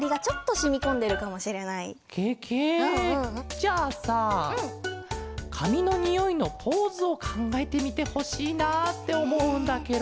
じゃあさかみのにおいのポーズをかんがえてみてほしいなっておもうんだケロ。